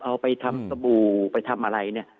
เอาไปทำสบู่ไปทำอะไรเนี่ย